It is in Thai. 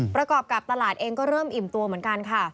ประกอบกับตลาดเองก็เริ่มอิ่มตัวเหมือนกันค่ะ